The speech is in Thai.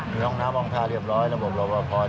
มีห้องน้ำห้องทาเรียบร้อยระบบหลวงพอด้วย